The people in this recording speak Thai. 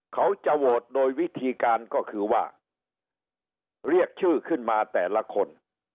เขาจะโหวตโดยวิธีการก็คือว่าเรียกชื่อขึ้นมาแต่ละคน